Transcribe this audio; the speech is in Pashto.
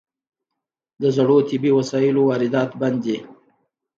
د زړو طبي وسایلو واردات بند دي؟